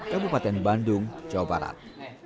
jawa barat hai hai